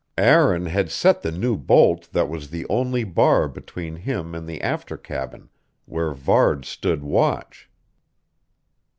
Aaron had set the new bolt that was the only bar between him and the after cabin, where Varde stood watch.